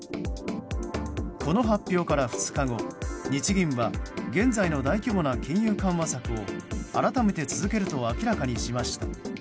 この発表から２日後、日銀は現在の大規模な金融緩和策を改めて続けると明らかにしました。